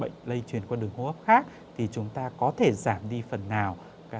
bệnh lây truyền qua đường hô hấp khác thì chúng ta có thể giảm đi phần nào